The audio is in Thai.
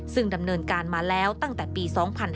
ซึ่งดำเนินการมาแล้วตั้งแต่ปี๒๕๕๙